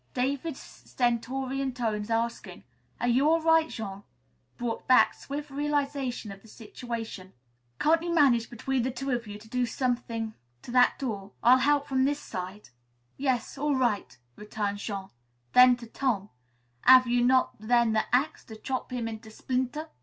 David's stentorian tones asking, "Are you all right, Jean?" brought back swift realization of the situation. "Can't you manage between the two of you to do something to that door? I'll help all I can from this side." "Yes; all right," returned Jean. Then to Tom: "Hav' you not then the axe, to chop him into splinter'?